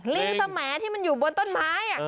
ลิงสแหมดที่มันอยู่บนต้นไม้